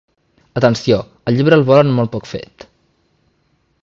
Atenció, el llibre el volen molt poc fet.